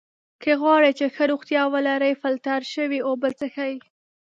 که غواړی چې ښه روغتیا ولری ! فلټر سوي اوبه څښئ!